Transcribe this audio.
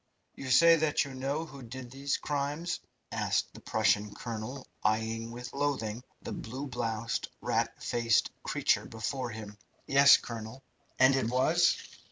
"You say that you know who did these crimes?" asked the Prussian colonel, eyeing with loathing the blue bloused, rat faced creature before him. "Yes, colonel." "And it was